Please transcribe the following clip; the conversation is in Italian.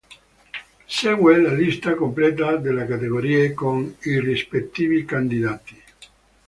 Segue la lista completa delle categorie con i rispettivi candidati.